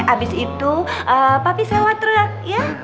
abis itu papi sewa truk ya